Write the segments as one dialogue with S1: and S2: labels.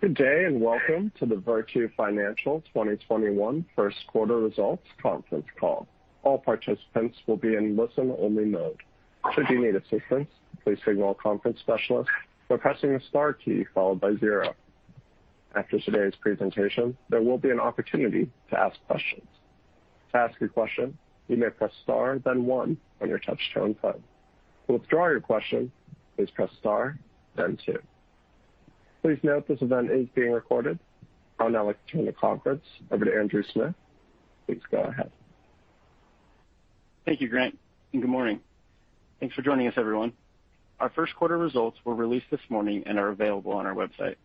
S1: Good day, welcome to the Virtu Financial 2021 first quarter results conference call. All participants will be in listen-only mode. Should you need assistance, please signal a conference specialist by pressing the star key followed by zero. After today's presentation, there will be an opportunity to ask questions. To ask a question, you may press star then one on your touch-tone phone. To withdraw your question, please press star then two. Please note this event is being recorded. I would now like to turn the conference over to Andrew Smith. Please go ahead.
S2: Thank you, Grant. Good morning. Thanks for joining us, everyone. Our first quarter results were released this morning and are available on our website.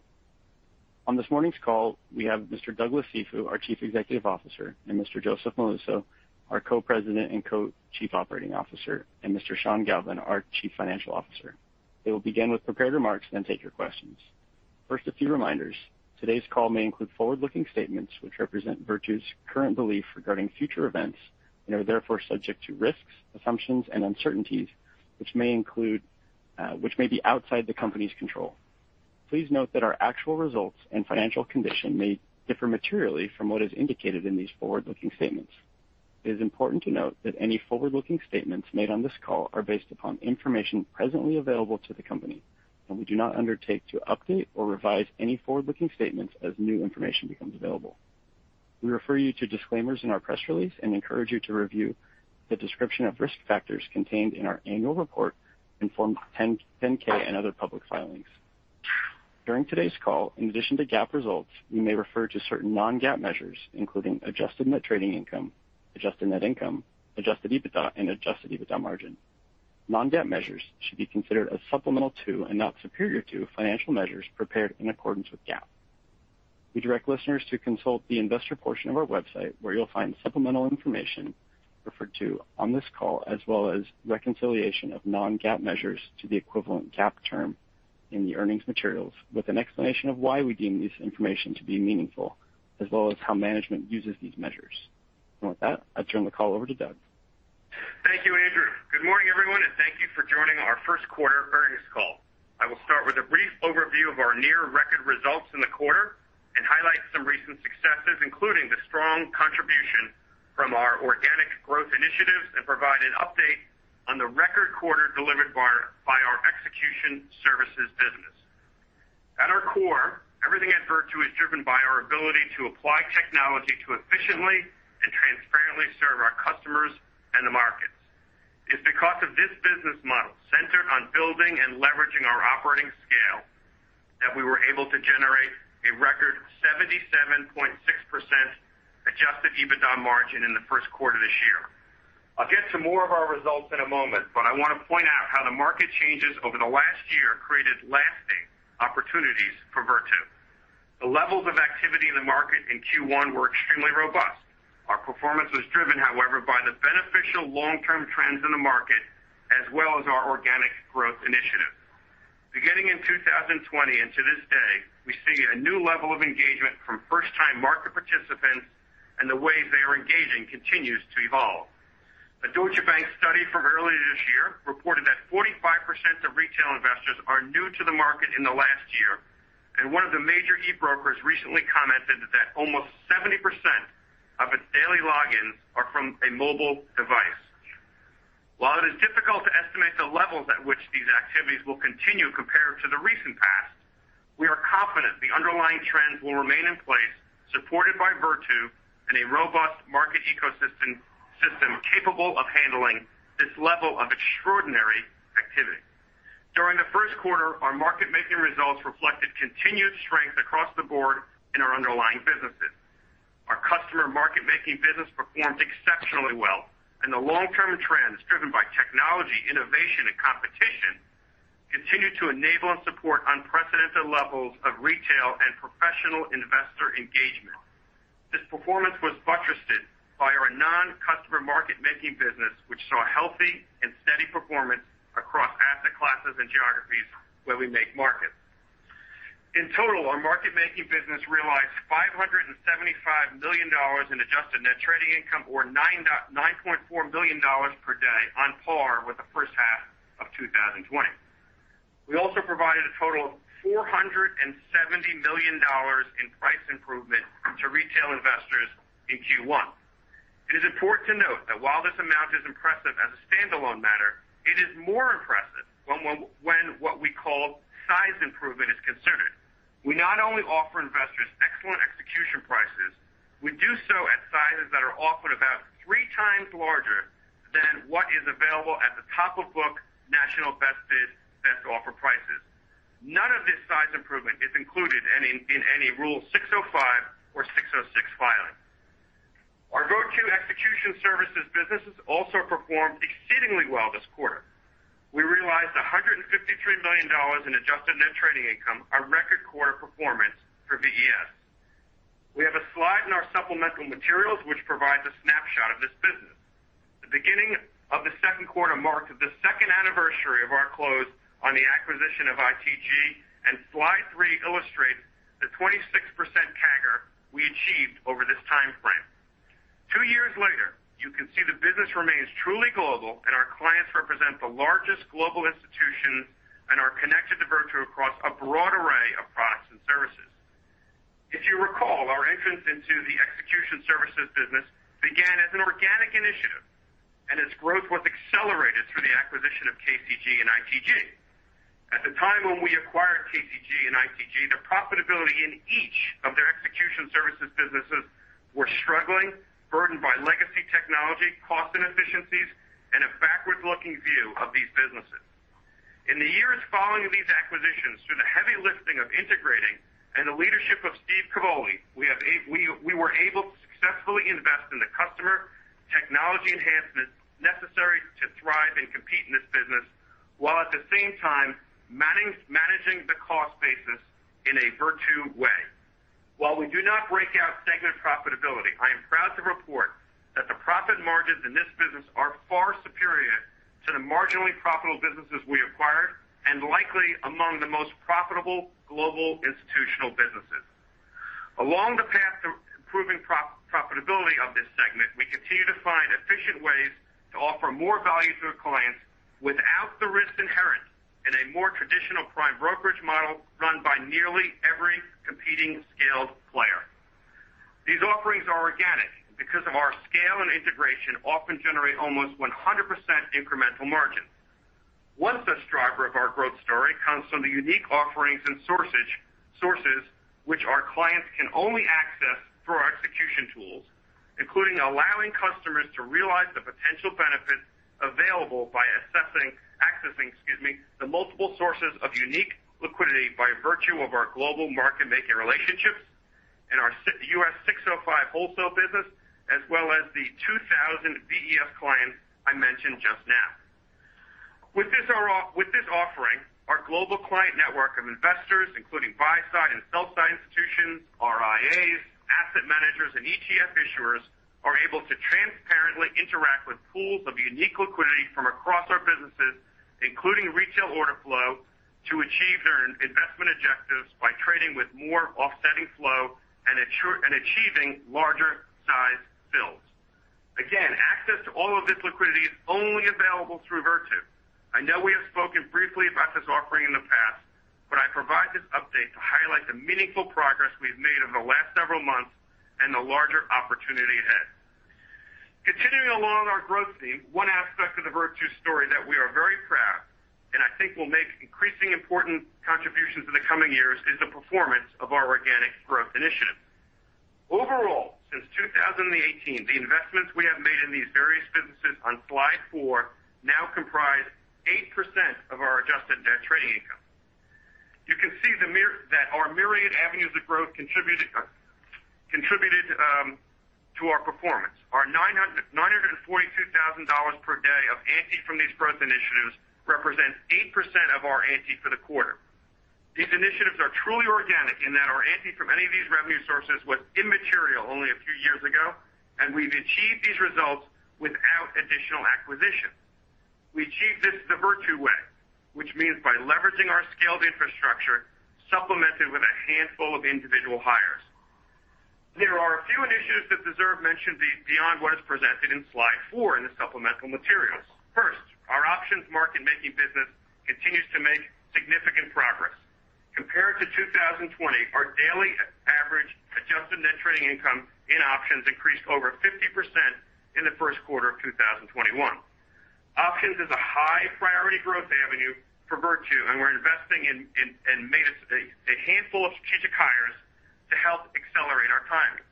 S2: On this morning's call, we have Mr. Douglas Cifu, our Chief Executive Officer, and Mr. Joseph Molluso, our Co-President and Co-Chief Operating Officer, and Mr. Sean Galvin, our Chief Financial Officer. They will begin with prepared remarks, then take your questions. First, a few reminders. Today's call may include forward-looking statements which represent Virtu's current belief regarding future events, and are therefore subject to risks, assumptions, and uncertainties, which may be outside the company's control. Please note that our actual results and financial condition may differ materially from what is indicated in these forward-looking statements. It is important to note that any forward-looking statements made on this call are based upon information presently available to the company, and we do not undertake to update or revise any forward-looking statements as new information becomes available. We refer you to disclaimers in our press release and encourage you to review the description of risk factors contained in our annual report and Form 10-K and other public filings. During today's call, in addition to GAAP results, we may refer to certain non-GAAP measures, including Adjusted Net Trading Income, Adjusted Net Income, Adjusted EBITDA, and adjusted EBITDA margin. Non-GAAP measures should be considered as supplemental to and not superior to financial measures prepared in accordance with GAAP. We direct listeners to consult the investor portion of our website, where you'll find supplemental information referred to on this call, as well as reconciliation of non-GAAP measures to the equivalent GAAP term in the earnings materials, with an explanation of why we deem this information to be meaningful, as well as how management uses these measures. With that, I'll turn the call over to Doug.
S3: Thank you, Andrew. Good morning, everyone, thank you for joining our first quarter earnings call. I will start with a brief overview of our near-record results in the quarter and highlight some recent successes, including the strong contribution from our organic growth initiatives and provide an update on the record quarter delivered by our Execution Services business. At our core, everything at Virtu is driven by our ability to apply technology to efficiently and transparently serve our customers and the markets. It's because of this business model, centered on building and leveraging our operating scale, that we were able to generate a record 77.6% adjusted EBITDA margin in the first quarter of this year. I'll get to more of our results in a moment, but I want to point out how the market changes over the last year created lasting opportunities for Virtu. The levels of activity in the market in Q1 were extremely robust. Our performance was driven, however, by the beneficial long-term trends in the market as well as our organic growth initiatives. Beginning in 2020 and to this day, we see a new level of engagement from first-time market participants, and the way they are engaging continues to evolve. A Deutsche Bank study from earlier this year reported that 45% of retail investors are new to the market in the last year, and one of the major e-brokers recently commented that almost 70% of its daily logins are from a mobile device. While it is difficult to estimate the levels at which these activities will continue compared to the recent past, we are confident the underlying trends will remain in place, supported by Virtu and a robust market ecosystem capable of handling this level of extraordinary activity. During the first quarter, our market making results reflected continued strength across the board in our underlying businesses. Our customer market making business performed exceptionally well. The long-term trends driven by technology, innovation, and competition continue to enable and support unprecedented levels of retail and professional investor engagement. This performance was buttressed by our non-customer market making business, which saw healthy and steady performance across asset classes and geographies where we make markets. In total, our market making business realized $575 million in Adjusted Net Trading Income or $9.4 million per day, on par with the first half of 2020. We also provided a total of $470 million in price improvement to retail investors in Q1. It is important to note that while this amount is impressive as a standalone matter, it is more impressive when what we call size improvement is considered. We not only offer investors excellent execution prices, we do so at sizes that are often about three times larger than what is available at the top-of-book national best bid/best offer prices. None of this size improvement is included in any Rule 605 or Rule 606 filing. Our global execution services businesses also performed exceedingly well this quarter. We realized $153 million in Adjusted Net Trading Income, a record quarter performance for VES. We have a slide in our supplemental materials which provides a snapshot of this business. The beginning of the second quarter marked the second anniversary of our close on the acquisition of ITG. Slide three illustrates the 26% CAGR we achieved over this time frame. Two years later, you can see the business is truly global and our clients represent the largest global institutions and are connected to Virtu across a broad array of products and services. If you recall, our entrance into the execution services business began as an organic initiative, its growth was accelerated through the acquisition of KCG and ITG. At the time when we acquired KCG and ITG, their profitability in each of their execution services businesses were struggling, burdened by legacy technology, cost inefficiencies, and a backward-looking view of these businesses. In the years following these acquisitions, through the heavy lifting of integrating and the leadership of Steve Cavoli, we were able to successfully invest in the customer technology enhancements necessary to thrive and compete in this business, while at the same time managing the cost basis in a Virtu way. While we do not break out segment profitability, I am proud to report that the profit margins in this business are far superior to the marginally profitable businesses we acquired and likely among the most profitable global institutional businesses. Along the path to improving profitability of this segment, we continue to find efficient ways to offer more value to our clients without the risk inherent in a more traditional prime brokerage model run by nearly every competing scaled player. These offerings are organic because of our scale and integration often generate almost 100% incremental margin. One such driver of our growth story comes from the unique offerings and sources which our clients can only access through our execution tools, including allowing customers to realize the potential benefits available by accessing the multiple sources of unique liquidity by virtue of our global market-making relationships and our U.S. 605 wholesale business, as well as the 2,000 VES clients I mentioned just now. With this offering, our global client network of investors, including buy-side and sell-side institutions, RIAs, asset managers, and ETF issuers, are able to transparently interact with pools of unique liquidity from across our businesses, including retail order flow, to achieve their investment objectives by trading with more offsetting flow and achieving larger size builds. Again, access to all of this liquidity is only available through Virtu. I know we have spoken briefly about this offering in the past. I provide this update to highlight the meaningful progress we've made over the last several months and the larger opportunity ahead. Continuing along our growth theme, one aspect of the Virtu story that we are very proud and I think will make increasingly important contributions in the coming years is the performance of our organic growth initiatives. Overall, since 2018, the investments we have made in these various businesses on slide four now comprise 8% of our Adjusted Net Trading Income. You can see that our myriad avenues of growth contributed to our performance. Our $942,000 per day of ANTI from these growth initiatives represents 8% of our ANTI for the quarter. These initiatives are truly organic in that our ANTI from any of these revenue sources was immaterial only a few years ago, and we've achieved these results without additional acquisition. We achieved this the Virtu way, which means by leveraging our scaled infrastructure, supplemented with a handful of individual hires. There are a few initiatives that deserve mention beyond what is presented in slide four in the supplemental materials. First, our options market-making business continues to make significant progress. Compared to 2020, our daily average Adjusted Net Trading Income in options increased over 50% in the first quarter of 2021. Options is a high-priority growth avenue for Virtu, and we're investing and made a handful of strategic hires to help accelerate our timing.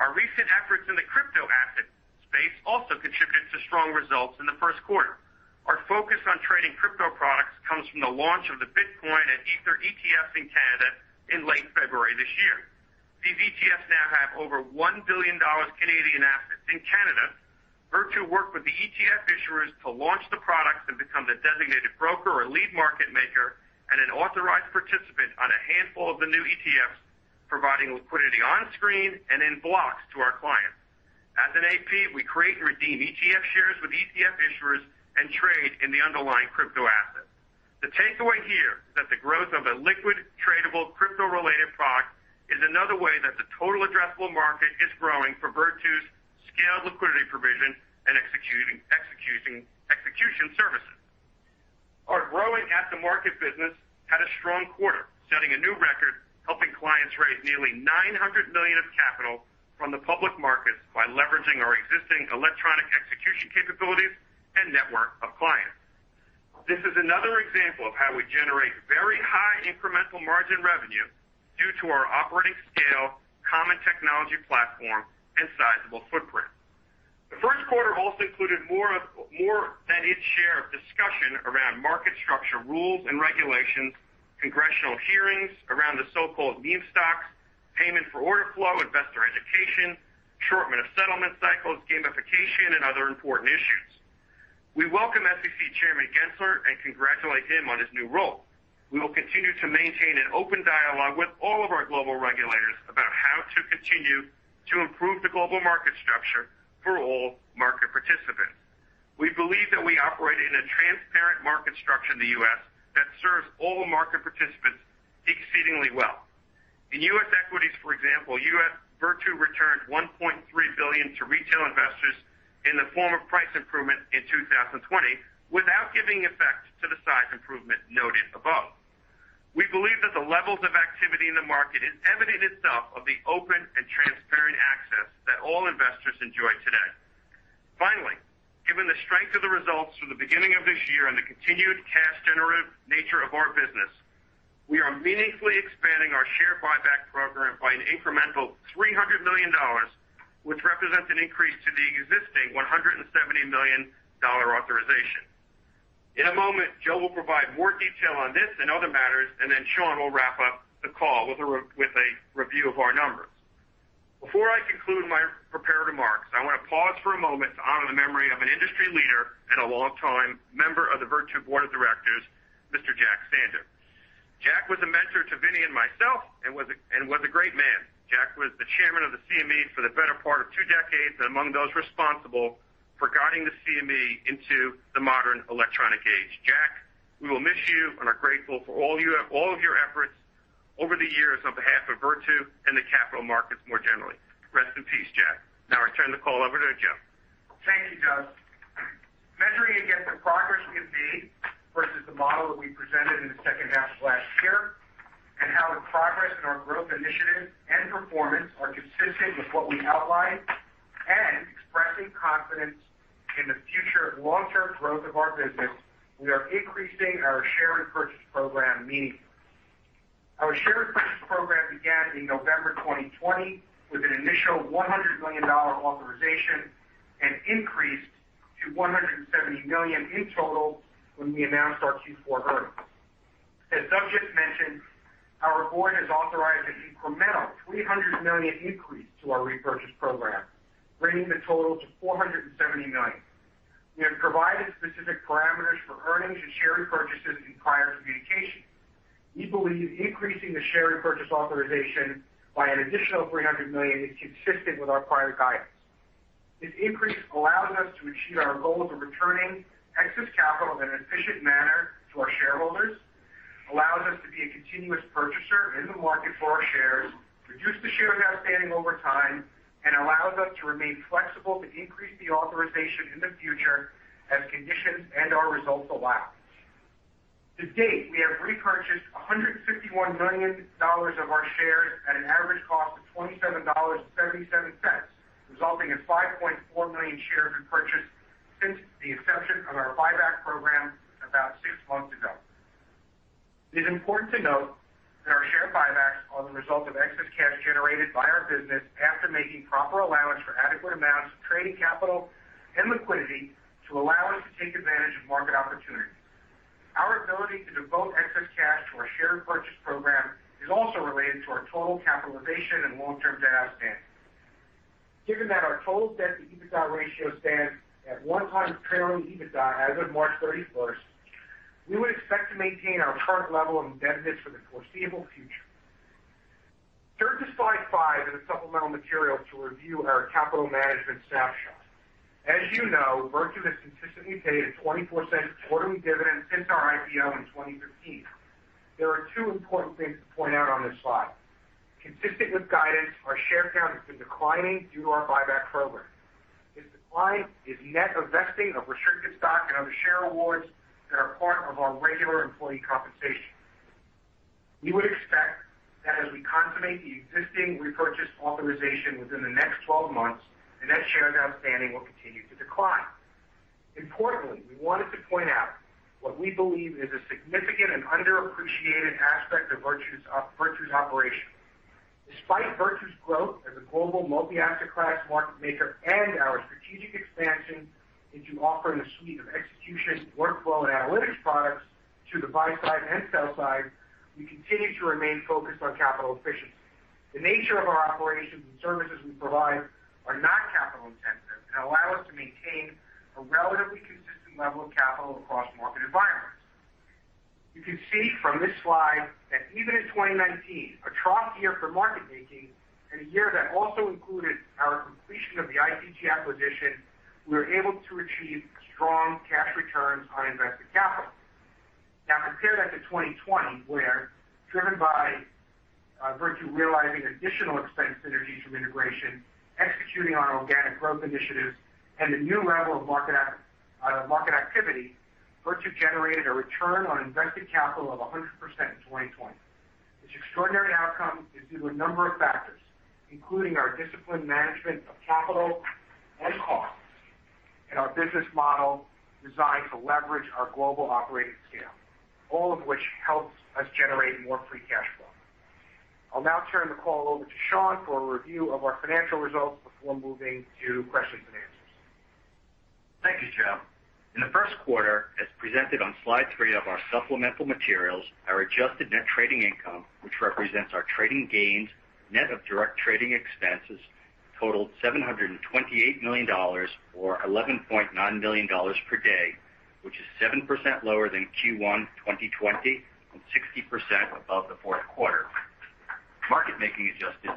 S3: Our recent efforts in the crypto asset space also contributed to strong results in the first quarter. Our focus on trading crypto products comes from the launch of the Bitcoin and Ether ETFs in Canada in late February this year. These ETFs now have over 1 billion Canadian dollars assets. In Canada, Virtu worked with the ETF issuers to launch the products and become the designated broker or lead market maker and an authorized participant on a handful of the new ETFs, providing liquidity on screen and in blocks to our clients. As an AP, we create and redeem ETF shares with ETF issuers and trade in the underlying crypto assets. The takeaway here is that the growth of a liquid tradable crypto-related product is another way that the total addressable market is growing for Virtu's scaled liquidity provision and execution services. Our growing at-the-market business had a strong quarter, setting a new record, helping clients raise nearly $900 million of capital from the public markets by leveraging our existing electronic execution capabilities and network of clients. This is another example of how we generate very high incremental margin revenue due to our operating scale, common technology platform, and sizable footprint. The first quarter also included more than its share of discussion around market structure rules and regulations, congressional hearings around the so-called meme stocks, payment for order flow, investor education, shortened settlement cycles, gamification, and other important issues. We welcome SEC Chairman Gensler and congratulate him on his new role. We will continue to maintain an open dialogue with all of our global regulators about how to continue to improve the global market structure for all market participants. We believe that we operate in the U.S. that serves all market participants exceedingly well. In U.S. equities, for example, Virtu returned $1.3 billion to retail investors in the form of price improvement in 2020, without giving effect to the size improvement noted above. We believe that the levels of activity in the market is evidence itself of the open and transparent access that all investors enjoy today. Finally, given the strength of the results from the beginning of this year and the continued cash-generative nature of our business, we are meaningfully expanding our share buyback program by an incremental $300 million, which represents an increase to the existing $170 million authorization. In a moment, Joe will provide more detail on this and other matters, and then Sean will wrap up the call with a review of our numbers. Before I conclude my prepared remarks, I want to pause for a moment to honor the memory of an industry leader and a longtime member of the Virtu board of directors, Mr. John F. Sandner. John was a mentor to Vincent Viola and myself and was a great man. John was the Chairman of the CME for the better part of 2 decades and among those responsible for guiding the CME into the modern electronic age. John, we will miss you and are grateful for all of your efforts over the years on behalf of Virtu and the capital markets more generally. Rest in peace, John. I turn the call over to Joseph Molluso.
S4: Thank you, Doug. Measuring against the progress we have made versus the model that we presented in the second half of last year, and how the progress in our growth initiatives and performance are consistent with what we outlined, and expressing confidence in the future long-term growth of our business, we are increasing our share repurchase program meaningfully. Our share repurchase program began in November 2020 with an initial $100 million authorization and increased to $170 million in total when we announced our Q4 earnings. As Doug just mentioned, our board has authorized an incremental $300 million increase to our repurchase program, bringing the total to $470 million. We have provided specific parameters for earnings and share repurchases in prior communications. We believe increasing the share repurchase authorization by an additional $300 million is consistent with our prior guidance. This increase allows us to achieve our goal of returning excess capital in an efficient manner to our shareholders, allows us to be a continuous purchaser in the market for our shares, reduce the shares outstanding over time, and allows us to remain flexible to increase the authorization in the future as conditions and our results allow. To date, we have repurchased $161 million of our shares at an average cost of $27.77, resulting in 5.4 million shares repurchased since the inception of our buyback program about six months ago. It is important to note that our share buybacks are the result of excess cash generated by our business after making proper allowance for adequate amounts of trading capital and liquidity to allow us to take advantage of market opportunities. Our ability to devote excess cash to our share repurchase program is also related to our total capitalization and long-term debt outstanding. Given that our total debt-to-EBITDA ratio stands at one times trailing EBITDA as of March 31st, we would expect to maintain our current level of indebtedness for the foreseeable future. Turn to slide five in the supplemental materials to review our capital management snapshot. As you know, Virtu has consistently paid a $0.24 quarterly dividend since our IPO in 2015. There are two important things to point out on this slide. Consistent with guidance, our share count has been declining due to our buyback program. This decline is net of vesting of restricted stock and other share awards that are part of our regular employee compensation. We would expect that as we consummate the existing repurchase authorization within the next 12 months, the net shares outstanding will continue to decline. Importantly, we wanted to point out what we believe is a significant and underappreciated aspect of Virtu's operation. Despite Virtu's growth as a global multi-asset class market maker and our strategic expansion into offering a suite of execution, workflow, and analytics products to the buy side and sell side, we continue to remain focused on capital efficiency. The nature of our operations and services we provide are not capital intensive and allow us to maintain a relatively consistent level of capital across market environments. You can see from this slide that even in 2019, a trough year for market making and a year that also included our completion of the ITG acquisition, we were able to achieve strong cash returns on invested capital. Compare that to 2020, where driven by Virtu realizing additional expense synergies from integration, executing on organic growth initiatives, and the new level of market activity, Virtu generated a return on invested capital of 100% in 2020. This extraordinary outcome is due to a number of factors, including our disciplined management of capital and costs and our business model designed to leverage our global operating scale, all of which helps us generate more free cash flow. I'll now turn the call over to Sean for a review of our financial results before moving to questions and answers.
S5: Thank you, Joe. In the first quarter, as presented on slide three of our supplemental materials, our Adjusted Net Trading Income, which represents our trading gains, net of direct trading expenses, totaled $728 million, or $11.9 million per day, which is 7% lower than Q1 2020 and 60% above the fourth quarter. Market-making Adjusted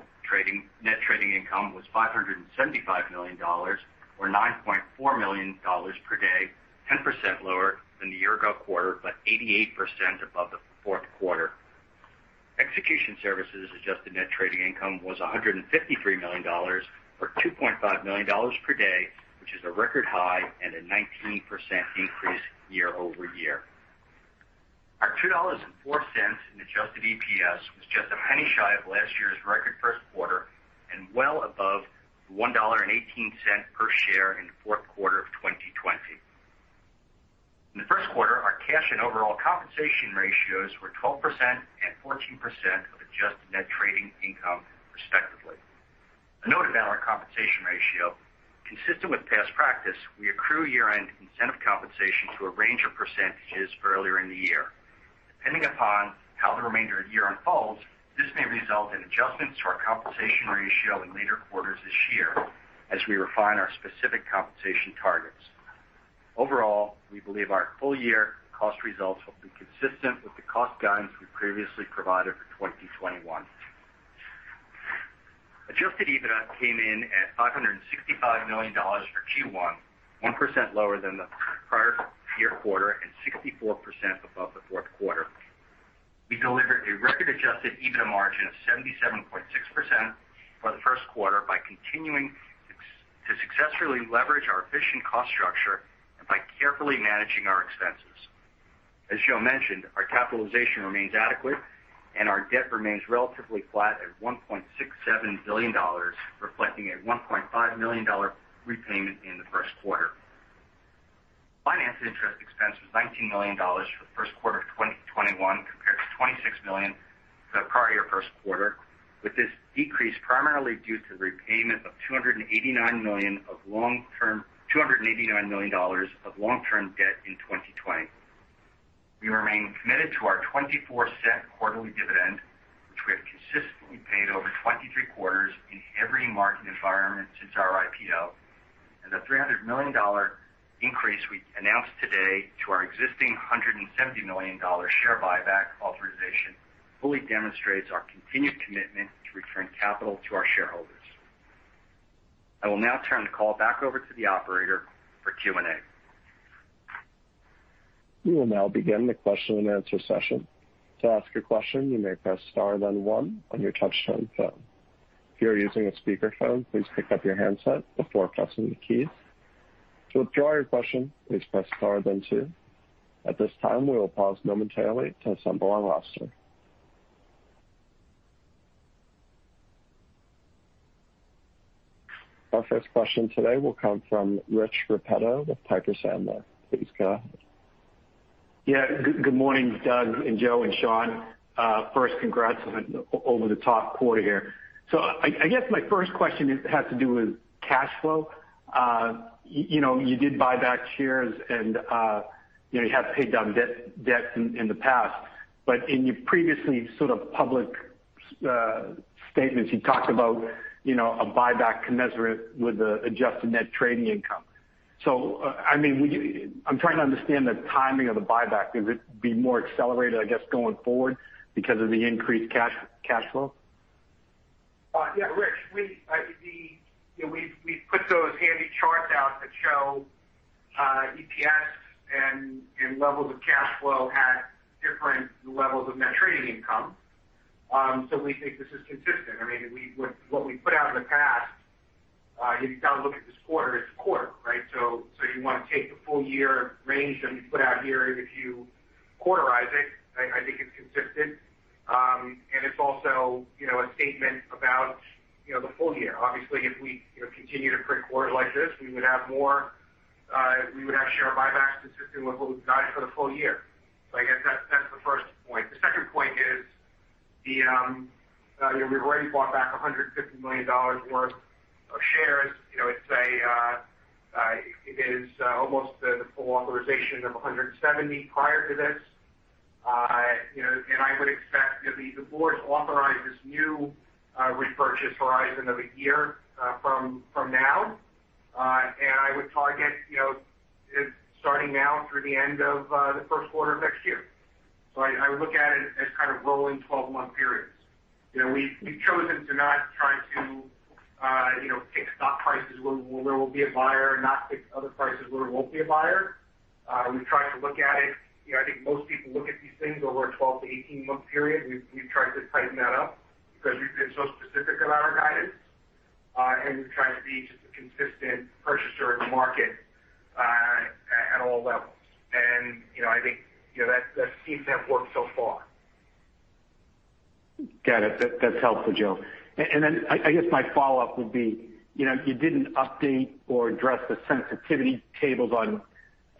S5: Net Trading Income was $575 million, or $9.4 million per day, 10% lower than the year-ago quarter, but 88% above the fourth quarter. Execution Services Adjusted Net Trading Income was $153 million, or $2.5 million per day, which is a record high and a 19% increase year-over-year. Our $2.04 in adjusted EPS was just $0.01 shy of last year's record first quarter and well above $1.18 per share in the fourth quarter of 2020. In the first quarter, our cash and overall compensation ratios were 12% and 14% of Adjusted Net Trading Income, respectively. A note about our compensation ratio. Consistent with past practice, we accrue year-end incentive compensation to a range of percentages earlier in the year. Depending upon how the remainder of the year unfolds, this may result in adjustments to our compensation ratio in later quarters this year as we refine our specific compensation targets. Overall, we believe our full-year cost results will be consistent with the cost guidance we previously provided for 2021. Adjusted EBITDA came in at $565 million for Q1, 1% lower than the prior year quarter and 64% above the fourth quarter. We delivered a record adjusted EBITDA margin of 77.6% for the first quarter by continuing to successfully leverage our efficient cost structure and by carefully managing our expenses. As Joe mentioned, our capitalization remains adequate and our debt remains relatively flat at $1.67 billion, reflecting a $1.5 million repayment in the first quarter. Finance interest expense was $19 million for the first quarter of 2021 compared to $26 million for the prior year first quarter, with this decrease primarily due to repayment of $289 million of long-term debt in 2020. We remain committed to our $0.24 quarterly dividend, which we have consistently paid over 23 quarters in every market environment since our IPO, and the $300 million increase we announced today to our existing $170 million share buyback authorization fully demonstrates our continued commitment to return capital to our shareholders. I will now turn the call back over to the operator for Q&A.
S1: We will now begin the question-and-answer session. Our first question today will come from Rich Repetto with Piper Sandler. Please go ahead.
S6: Good morning, Doug and Joe and Sean. First, congrats on an over-the-top quarter here. I guess my first question has to do with cash flow. You did buy back shares and you have paid down debt in the past. In your previous public statements, you talked about a buyback commensurate with the Adjusted Net Trading Income. I'm trying to understand the timing of the buyback. Would it be more accelerated, I guess, going forward because of the increased cash flow?
S4: Yeah, Rich, we put those handy charts out that show EPS and levels of cash flow at different levels of Net Trading Income. We think this is consistent. What we put out in the past, you've got to look at this quarter as a quarter, right? You want to take the full-year range that we put out here, and if you quarterize it, I think it's consistent. It's also a statement about the full year. Obviously, if we continue to print quarters like this, we would have share buybacks consistent with what we've guided for the full year. I guess that's the first point. The second point is we've already bought back $150 million worth of shares. It is almost the full authorization of $170 prior to this. I would expect the board to authorize this new repurchase horizon of a year from now, and I would target it starting now through the end of the first quarter of next year. I would look at it as kind of rolling 12-month periods. We've chosen to not try to pick stock prices where there will be a buyer and not pick other prices where there won't be a buyer. We've tried to look at it. I think most people look at these things over a 12-18 month period. We've tried to tighten that up because we've been so specific about our guidance, and we've tried to be just a consistent purchaser in the market at all levels. I think that seems to have worked so far.
S6: Got it. That's helpful, Joe. I guess my follow-up would be, you didn't update or address the sensitivity tables on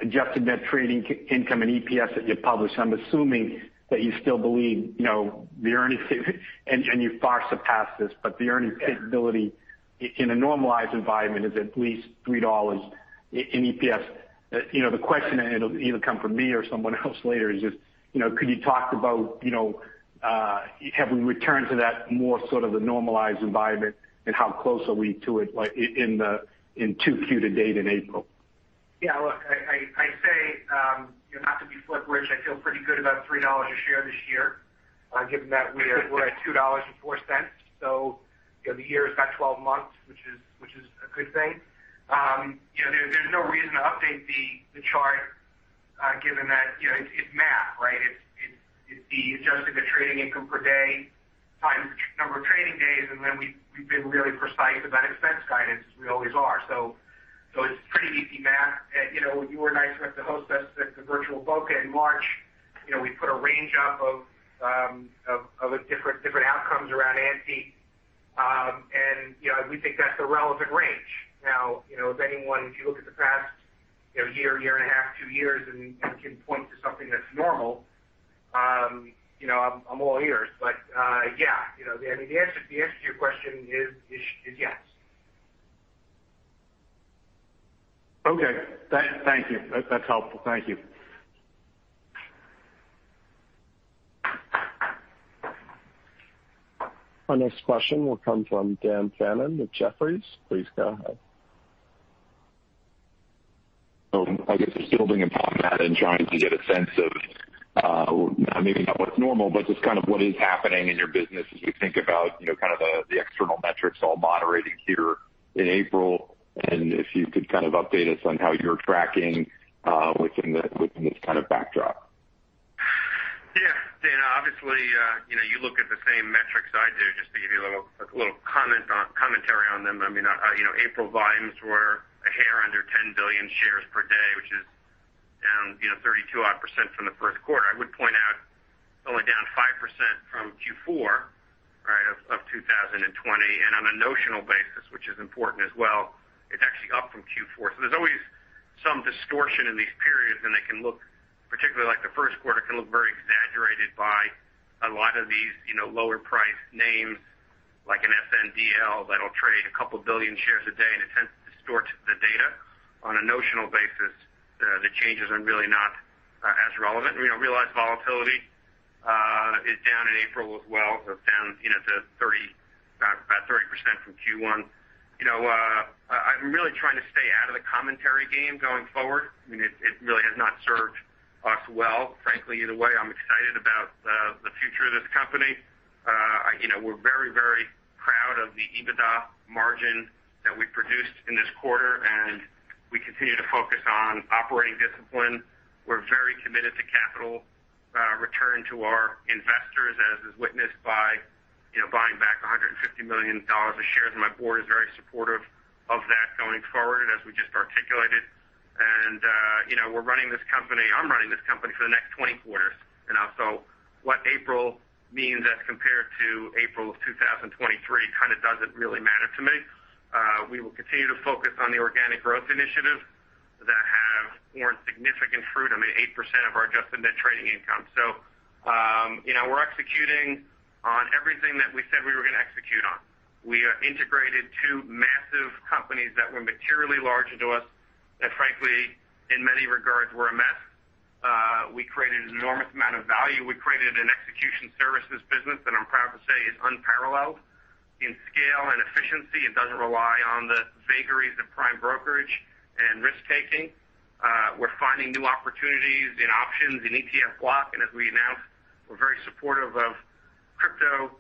S6: Adjusted Net Trading Income and EPS that you published. I'm assuming that you still believe, and you far surpassed this, but the earning capability in a normalized environment is at least $3 in EPS. The question, and it'll either come from me or someone else later, is just could you talk about have we returned to that more sort of a normalized environment, and how close are we to it in 2Q to date in April?
S4: Yeah. Look, I say, not to be flip, Rich, I feel pretty good about $3 a share this year, given that we're at $2.04. The year's got 12 months, which is a good thing. There's no reason to update the chart, given that it's math, right? It's the Adjusted Net Trading Income per day times number of trading days, we've been really precise about expense guidance, as we always are. It's pretty easy math. You were nice enough to host us at the Virtu Boca in March. We put a range up of different outcomes around ANTI. We think that's a relevant range. Now, if anyone, if you look at the past year and a half, two years, and can point to something that's normal, I'm all ears. Yeah. The answer to your question is yes.
S6: Okay. Thank you. That's helpful. Thank you.
S1: Our next question will come from Dan Fannon with Jefferies. Please go ahead.
S7: I guess just building upon that and trying to get a sense of, maybe not what's normal, but just kind of what is happening in your business as we think about the external metrics all moderating here in April. If you could kind of update us on how you're tracking within this kind of backdrop.
S3: Dan, obviously, you look at the same metrics I do, just to give you a little commentary on them. April volumes were a hair under 10 billion shares per day, which is down 32-odd% from the first quarter. I would point out, it's only down 5% from Q4 of 2020. On a notional basis, which is important as well, it's actually up from Q4. There's always some distortion in these periods, and they can look, particularly like the first quarter, can look very exaggerated by a lot of these lower-priced names like an SNDL that'll trade a couple billion shares a day, and it tends to distort the data. On a notional basis, the changes are really not as relevant. Realized volatility is down in April as well. Down about 30% from Q1. I'm really trying to stay out of the commentary game going forward. It really has not served us well, frankly, either way. I'm excited about the future of this company. We're very proud of the EBITDA margin that we produced in this quarter, and we continue to focus on operating discipline. We're very committed to capital return to our investors, as is witnessed by buying back $150 million of shares. My board is very supportive of that going forward, as we just articulated. I'm running this company for the next 20 quarters. What April means as compared to April of 2023 kind of doesn't really matter to me. We will continue to focus on the organic growth initiatives that have borne significant fruit. I mean, 8% of our Adjusted Net Trading Income. We're executing on everything that we said we were going to execute on. We have integrated two massive companies that were materially larger to us and frankly, in many regards, were a mess. We created an enormous amount of value. We created an execution services business that I'm proud to say is unparalleled in scale and efficiency and doesn't rely on the vagaries of prime brokerage and risk-taking. We're finding new opportunities in options, in ETF block, as we announced, we're very supportive of crypto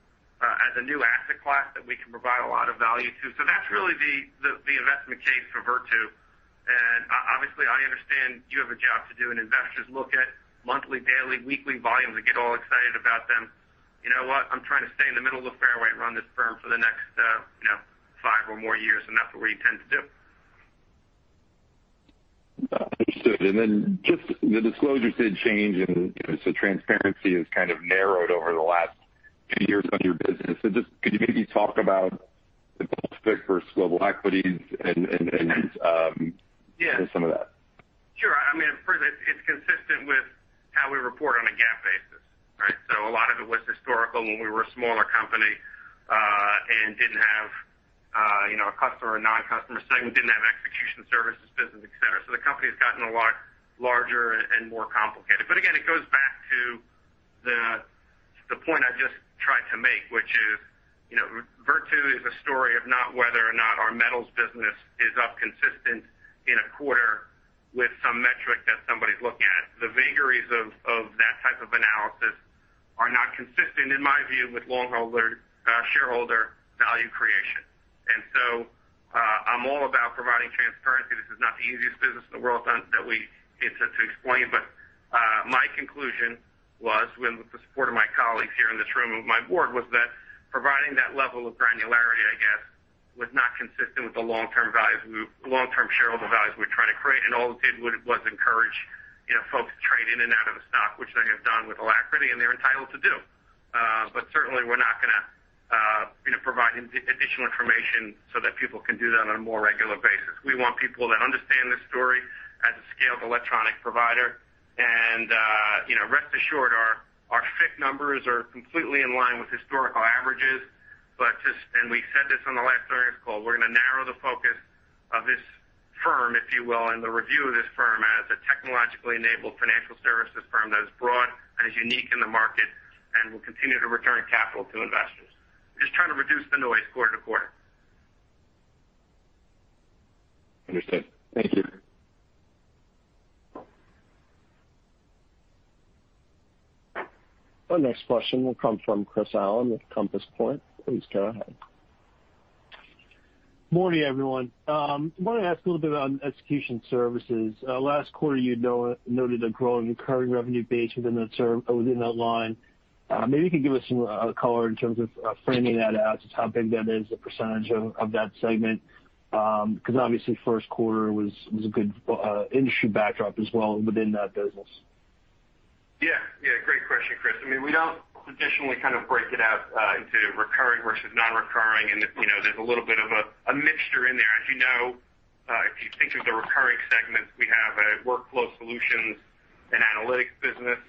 S3: as a new asset class that we can provide a lot of value to. That's really the investment case for Virtu. Obviously, I understand you have a job to do, and investors look at monthly, daily, weekly volumes and get all excited about them. You know what. I'm trying to stay in the middle of the fairway and run this firm for the next five or more years, and that's what we intend to do.
S7: Understood. Then just the disclosure did change, transparency has kind of narrowed over the last few years of your business. Just could you maybe talk about the FICC versus global equities.
S3: Yeah
S7: some of that?
S3: Sure. It's consistent with how we report on a GAAP basis. A lot of it was historical when we were a smaller company, and didn't have a customer or non-customer segment, didn't have execution services business, et cetera. Again, it goes back to the point I just tried to make, which is Virtu is a story of not whether or not our markets business is up consistent in a quarter with some metric that somebody's looking at. The vagaries of that type of analysis are not consistent, in my view, with shareholder value creation. I'm all about providing transparency. This is not the easiest business in the world to explain, but my conclusion was, with the support of my colleagues here in this room and my board, was that providing that level of granularity, I guess, was not consistent with the long-term shareholder values we're trying to create, and all it did was encourage folks to trade in and out of the stock, which they have done with alacrity, and they're entitled to do. Certainly, we're not going to provide additional information so that people can do that on a more regular basis. We want people that understand this story as a scaled electronic provider. Rest assured, our FICC numbers are completely in line with historical averages. We said this on the last earnings call, we're going to narrow the focus of this firm, if you will, and the review of this firm as a technologically enabled financial services firm that is broad and is unique in the market and will continue to return capital to investors. The noise quarter-to-quarter.
S7: Understood. Thank you.
S1: Our next question will come from Chris Allen with Compass Point. Please go ahead.
S8: Morning, everyone. I want to ask a little bit about Execution Services. Last quarter, you noted a growing recurring revenue base within that line. You could give us some color in terms of framing that out as to how big that is, the percentage of that segment because obviously first quarter was a good industry backdrop as well within that business.
S3: Yeah. Great question, Chris. We don't traditionally break it out into recurring versus non-recurring, There's a little bit of a mixture in there. As you know, if you think of the recurring segments, we have a workflow solutions and analytics business.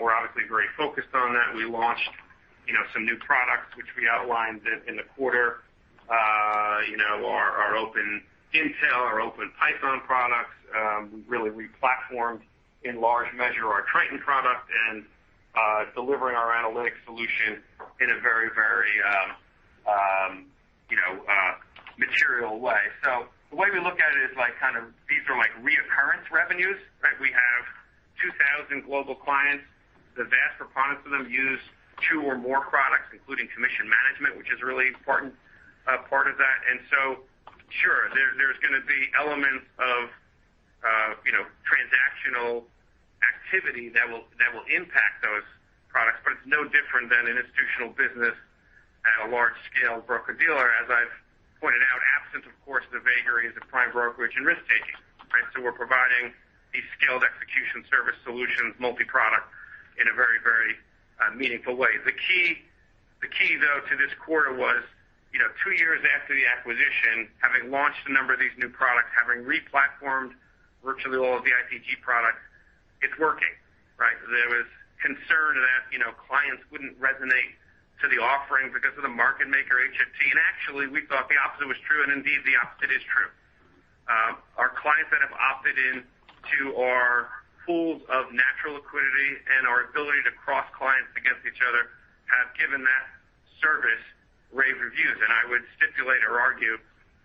S3: We're obviously very focused on that. We launched some new products, which we outlined in the quarter. Our Open API, our Open Python products. We really re-platformed in large measure our Triton product and delivering our analytics solution in a very material way. The way we look at it is these are recurring revenues, right? We have 2,000 global clients. The vast preponderance of them use two or more products, including commission management, which is a really important part of that. Sure, there's going to be elements of transactional activity that will impact those products, but it's no different than an institutional business at a large-scale broker-dealer, as I've pointed out, absent, of course, the vagaries of prime brokerage and risk-taking. Right? We're providing these scaled execution service solutions, multi-product, in a very meaningful way. The key, though, to this quarter was two years after the acquisition, having launched a number of these new products, having re-platformed virtually all of the ITG products, it's working. Right? There was concern that clients wouldn't resonate to the offering because of the market maker HFT. Actually, we thought the opposite was true, and indeed, the opposite is true. Our clients that have opted in to our pools of natural liquidity and our ability to cross clients against each other have given that service rave reviews. I would stipulate or argue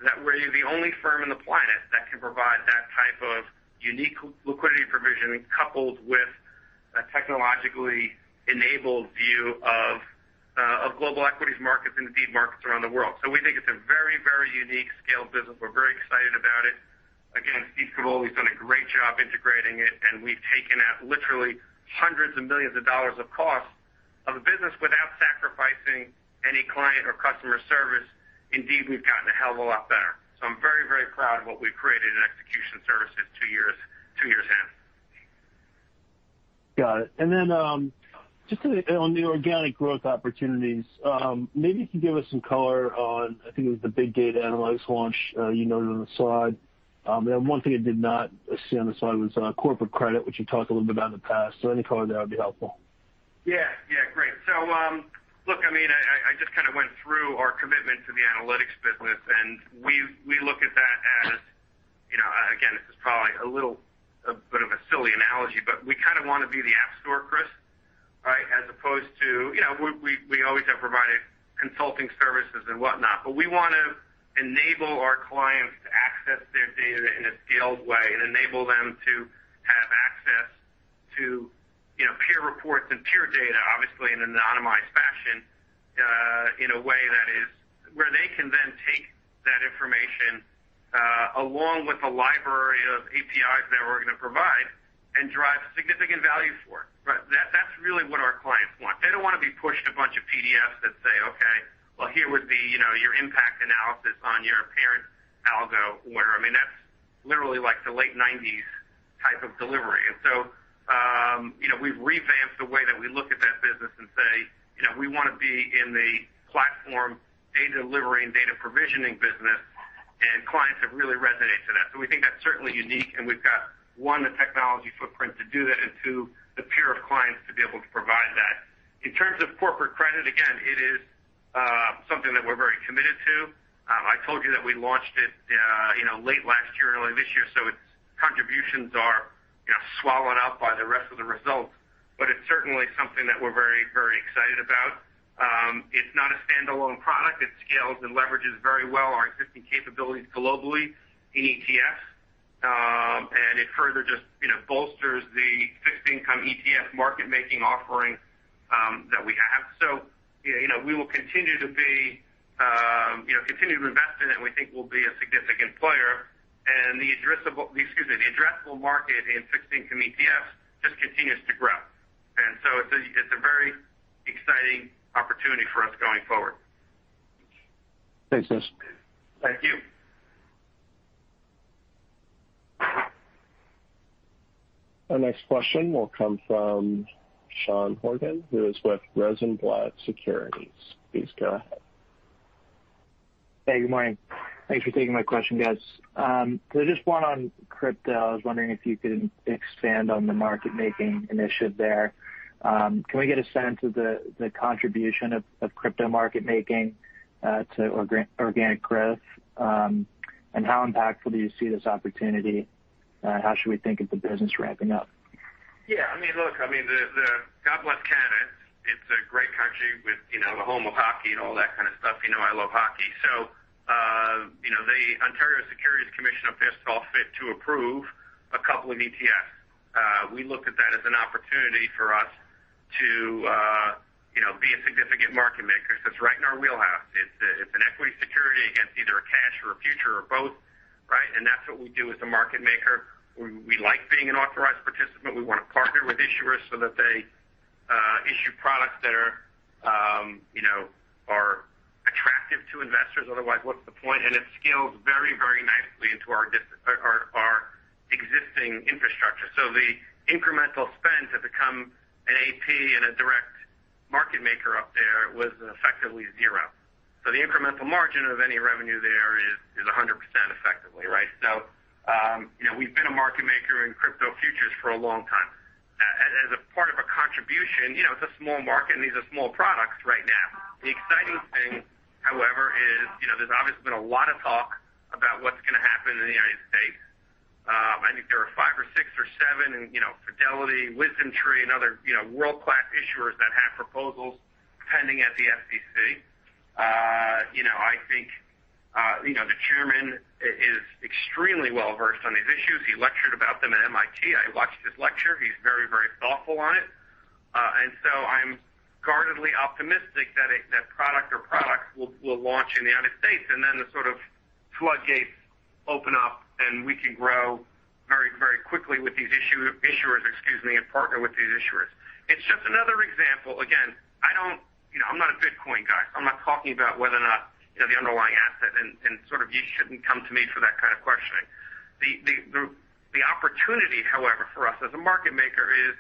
S3: that we're the only firm on the planet that can provide that type of unique liquidity provision coupled with a technologically enabled view of global equities markets and indeed markets around the world. We think it's a very unique scale business. We're very excited about it. Again, Steve Cavoli's done a great job integrating it, and we've taken out literally hundreds of millions of dollars of cost of the business without sacrificing any client or customer service. Indeed, we've gotten a hell of a lot better. I'm very proud of what we've created in Execution Services two years in.
S8: Got it. Just on the organic growth opportunities, maybe if you could give us some color on, I think it was the big data analytics launch you noted on the side. The one thing I did not see on the side was corporate credit, which you talked a little bit about in the past. Any color there would be helpful.
S3: Yeah. Great. Look, I just kind of went through our commitment to the analytics business, and we look at that as, again, this is probably a little bit of a silly analogy, but we kind of want to be the App Store, Chris, right? We always have provided consulting services and whatnot, but we want to enable our clients to access their data in a scaled way and enable them to have access to peer reports and peer data, obviously in an anonymized fashion, in a way where they can then take that information, along with the library of APIs that we're going to provide, and drive significant value for it, right? That's really what our clients want. They don't want to be pushed a bunch of PDFs that say, "Okay, well, here. Would be your impact analysis on your parent algo order." That's literally like the late '90s type of delivery. We've revamped the way that we look at that business and say, we want to be in the platform data delivery and data provisioning business, and clients have really resonated to that. We think that's certainly unique, and we've got, one, the technology footprint to do that, and two, the pool of clients to be able to provide that. In terms of corporate credit, again, it is something that we're very committed to. I told you that we launched it late last year, early this year, so its contributions are swallowed up by the rest of the results. It's certainly something that we're very excited about. It's not a standalone product. It scales and leverages very well our existing capabilities globally in ETFs. It further just bolsters the fixed income ETF market-making offering that we have. We will continue to invest in it, and we think we'll be a significant player. The addressable market in fixed income ETFs just continues to grow. It's a very exciting opportunity for us going forward. Thanks, Chris.
S8: Thank you.
S1: Our next question will come from Sean Horgan, who is with Rosenblatt Securities. Please go ahead.
S9: Hey, good morning. Thanks for taking my question, guys. Just one on crypto. I was wondering if you could expand on the market-making initiative there. Can we get a sense of the contribution of crypto market-making to organic growth? How impactful do you see this opportunity? How should we think of the business ramping up?
S3: Yeah. God bless Canada. It's a great country with the home of hockey and all that kind of stuff. I love hockey. The Ontario Securities Commission have seen fit to approve a couple of ETFs. We look at that as an opportunity for us to be a significant market maker because it's right in our wheelhouse. It's an equity security against either a cash or a future or both, right? That's what we do as a market maker. We like being an authorized participant. We want to partner with issuers so that they issue products that are attractive to investors. Otherwise, what's the point? It scales very nicely into our existing infrastructure. The incremental spend to become an AP and a direct market maker up there was effectively zero. The incremental margin of any revenue there is 100% effectively, right? We've been a market maker in crypto futures for a long time. As a part of a contribution, it's a small market, and these are small products right now. The exciting thing, however, is there's obviously been a lot of talk about what's going to happen in the United States. I think there are five or six or seven, and Fidelity, WisdomTree, and other world-class issuers that have proposals pending at the SEC. I think the chairman is extremely well-versed on these issues. He lectured about them at MIT. I watched his lecture. He's very thoughtful on it. I'm guardedly optimistic that product or products will launch in the United States, and then the sort of floodgates open up, and we can grow very quickly with these issuers, excuse me, and partner with these issuers. It's just another example. Again, I'm not a Bitcoin guy. I'm not talking about whether or not the underlying asset, and sort of you shouldn't come to me for that kind of questioning. The opportunity, however, for us as a market maker is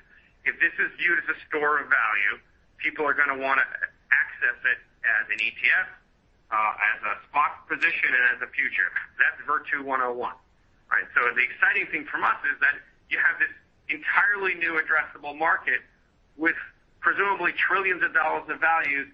S3: if this is viewed as a store of value, people are going to want to access it as an ETF, as a spot position, and as a future. That's Virtu 101, right. The exciting thing from us is that you have this entirely new addressable market with presumably trillions of dollars of value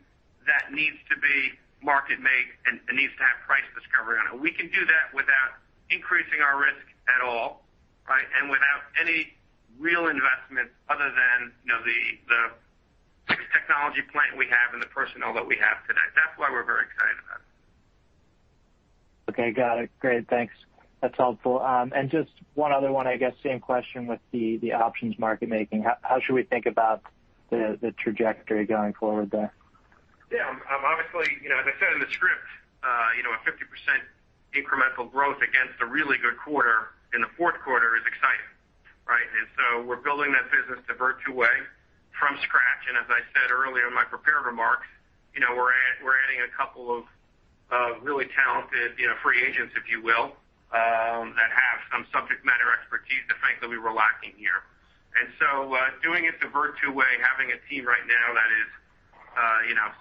S3: that needs to be market made and needs to have price discovery on it. We can do that without increasing our risk at all, right. Without any real investment other than the fixed technology plant we have and the personnel that we have today. That's why we're very excited about it.
S9: Okay. Got it. Great. Thanks. That's helpful. Just one other one, I guess same question with the options market making. How should we think about the trajectory going forward there?
S3: Obviously, as I said in the script, a 50% incremental growth against a really good quarter in the fourth quarter is exciting, right? We're building that business the Virtu way from scratch, and as I said earlier in my prepared remarks, we're adding a couple of really talented free agents, if you will, that have some subject matter expertise to frankly we were lacking here. Doing it the Virtu way, having a team right now that is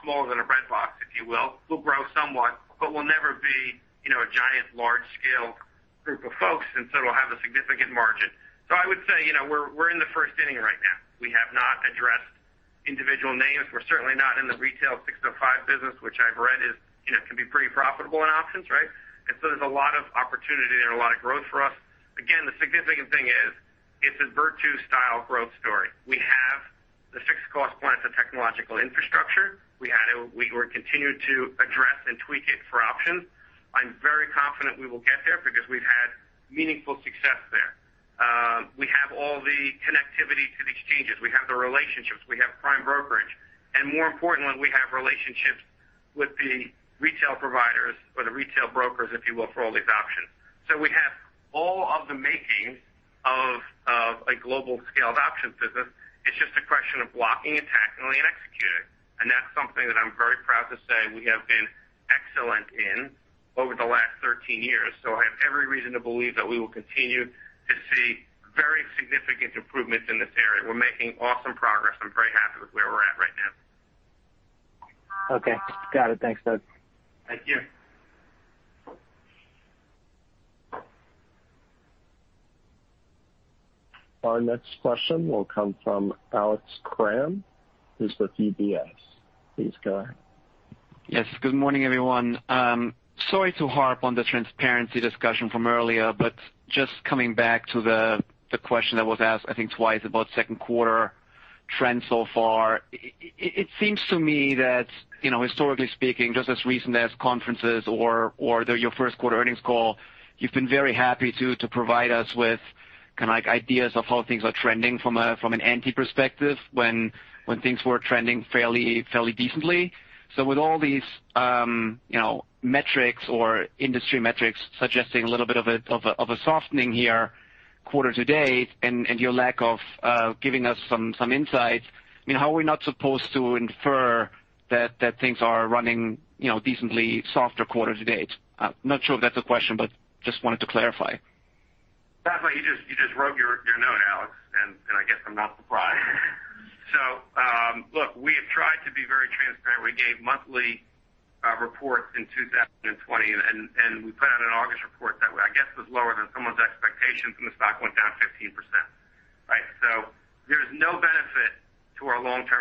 S3: smaller than a breadbox, if you will grow somewhat, but will never be a giant large-scale group of folks, and so it'll have a significant margin. I would say, we're in the first inning right now. We have not addressed individual names. We're certainly not in the retail Rule 605 business, which I've read can be pretty profitable in options, right? There's a lot of opportunity there and a lot of growth for us. Again, the significant thing is it's a Virtu-style growth story. We have the fixed cost plans, the technological infrastructure. We will continue to address and tweak it for options. I'm very confident we will get there because we've had meaningful success there. We have all the connectivity to the exchanges. We have the relationships. We have prime brokerage. More importantly, we have relationships with the retail providers or the retail brokers, if you will, for all these options. We have all of the making of a global scaled options business. It's just a question of blocking and tackling and executing. That's something that I'm very proud to say we have been excellent in over the last 13 years. I have every reason to believe that we will continue to see very significant improvements in this area. We're making awesome progress. I'm very happy with where we're at right now.
S9: Okay. Got it. Thanks, Doug.
S3: Thank you.
S1: Our next question will come from Alex Kramm. He's with UBS. Please go ahead.
S10: Yes. Good morning, everyone. Sorry to harp on the transparency discussion from earlier, just coming back to the question that was asked, I think twice about second quarter trends so far. It seems to me that historically speaking, just as recent as conferences or your first quarter earnings call, you've been very happy to provide us with kind of like ideas of how things are trending from an ANTI-perspective when things were trending fairly decently. With all these metrics or industry metrics suggesting a little bit of a softening here quarter to date and your lack of giving us some insights, how are we not supposed to infer that things are running decently softer quarter to date? I'm not sure if that's a question, just wanted to clarify.
S3: Alex, you just wrote your note, Alex, I guess I'm not surprised. Look, we have tried to be very transparent. We gave monthly reports in 2020, we put out an August report that I guess was lower than someone's expectations, the stock went down 15%, right? There is no benefit to our long-term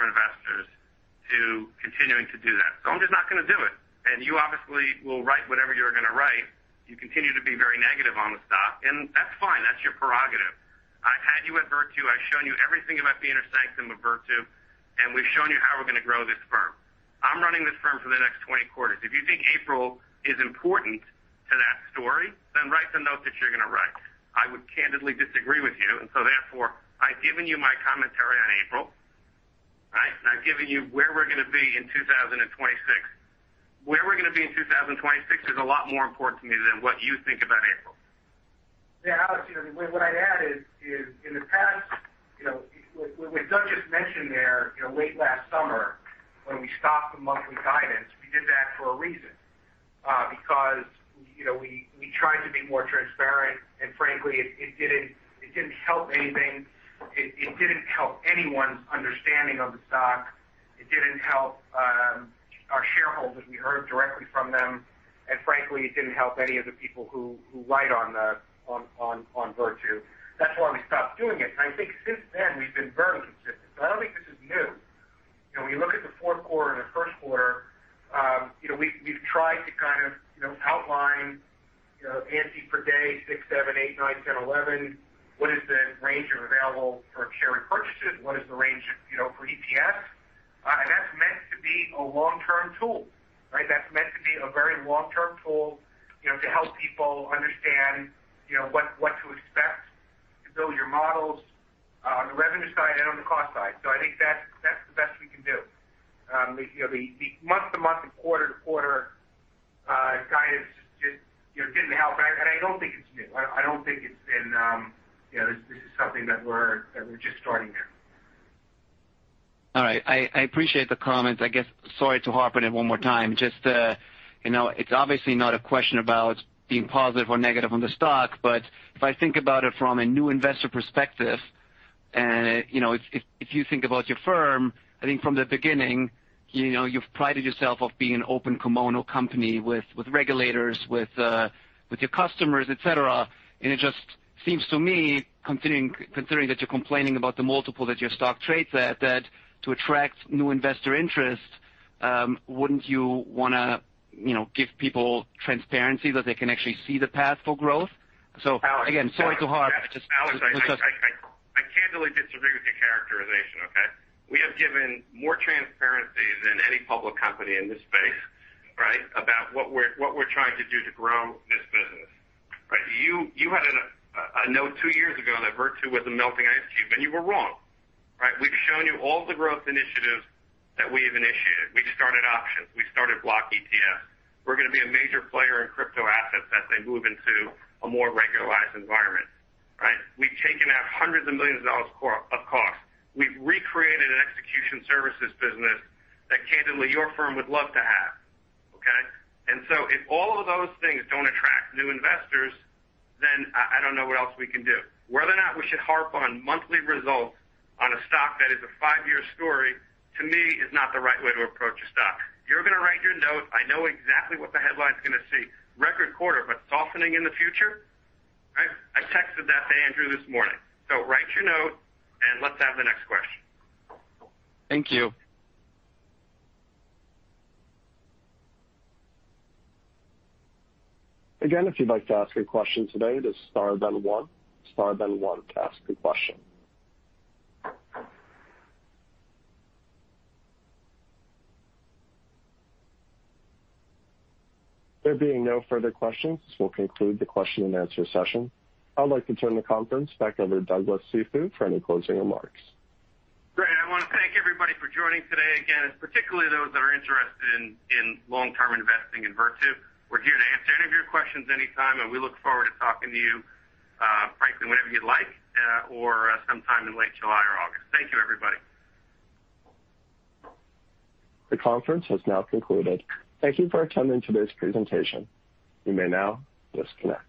S3: continuing to do that. I'm just not going to do it. You obviously will write whatever you're going to write. You continue to be very negative on the stock, that's fine. That's your prerogative. I've had you at Virtu. I've shown you everything about the inner sanctum of Virtu, we've shown you how we're going to grow this firm. I'm running this firm for the next 20 quarters. If you think April is important to that story, write the note that you're going to write. I would candidly disagree with you, and so therefore, I've given you my commentary on April. Right? I've given you where we're going to be in 2026. Where we're going to be in 2026 is a lot more important to me than what you think about April.
S4: Yeah, Alex Kramm, what I'd add is, in the past, what Douglas Cifu just mentioned there, late last summer when we stopped the monthly guidance, we did that for a reason. We tried to be more transparent and frankly, it didn't help anything. It didn't help anyone's understanding of the stock. It didn't help our shareholders. We heard directly from them. Frankly, it didn't help any of the people who write on Virtu. That's why we stopped doing it. I think since then, we've been very consistent. I don't think this is new. When you look at the fourth quarter and the first quarter, we've tried to kind of outline, ANTI per day, six, seven, eight, nine, 10, 11. What is the range of available for share repurchases? What is the range for EPS? That's meant to be a long-term tool, right? That's meant to be a very long-term tool to help people understand what to expect to build your models on the revenue side and on the cost side. I think that's the best we can do. The month-to-month and quarter-to-quarter guidance just didn't help. I don't think it's new. I don't think this is something that we're just starting now.
S10: All right. I appreciate the comments. I guess, sorry to harp on it one more time. Just, it's obviously not a question about being positive or negative on the stock, but if I think about it from a new investor perspective, and if you think about your firm, I think from the beginning, you've prided yourself of being an open kimono company with regulators, with your customers, et cetera. It just seems to me, considering that you're complaining about the multiple that your stock trades at, that to attract new investor interest, wouldn't you want to give people transparency that they can actually see the path for growth? Again, sorry to harp.
S3: Alex, I candidly disagree with your characterization, okay? We have given more transparency than any public company in this space, right, about what we're trying to do to grow this business. You had a note two years ago that Virtu was a melting ice cube, and you were wrong. We've shown you all the growth initiatives that we have initiated. We started options. We started ETF block. We're going to be a major player in crypto assets as they move into a more regularized environment. We've taken out hundreds of millions of dollars of costs. We've recreated an execution services business that candidly, your firm would love to have. Okay? If all of those things don't attract new investors, then I don't know what else we can do. Whether or not we should harp on monthly results on a stock that is a five-year story, to me, is not the right way to approach a stock. You're going to write your note. I know exactly what the headline's going to say. Record quarter, but softening in the future? Right? I texted that to Andrew this morning. Write your note and let's have the next question.
S10: Thank you.
S1: Again, if you'd like to ask a question today, it is star then one. Star then one to ask a question. There being no further questions, this will conclude the question-and-answer session. I'd like to turn the conference back over to Douglas Cifu for any closing remarks.
S3: Great. I want to thank everybody for joining today. Again, particularly those that are interested in long-term investing in Virtu. We're here to answer any of your questions anytime, and we look forward to talking to you, frankly, whenever you'd like, or sometime in late July or August. Thank you, everybody.
S1: The conference has now concluded. Thank you for attending today's presentation. You may now disconnect.